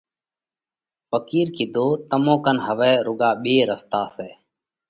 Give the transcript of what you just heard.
ڦقِير ڪِيڌو: تمون ڪنَ هوَئہ رُوڳا ٻي رستا سئہ۔